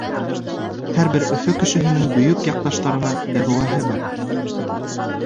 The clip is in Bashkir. Һәр бер Өфө кешеһенең бөйөк яҡташтарына дәғүәһе бар.